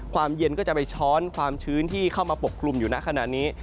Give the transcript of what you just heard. ความเย็นก็จะไปช้อนความชื้นที่เข้ามาปกคลุมอยู่นะขณะนี้